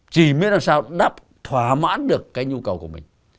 chỉ mới làm sao đáp thỏa mãn được cái nhu cầu của mình